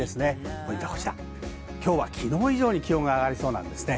ポイントは今日は昨日以上に気温が上がりそうです。